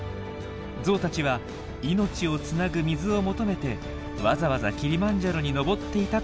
ゾウたちは命をつなぐ水を求めてわざわざキリマンジャロに登っていたというわけなんです。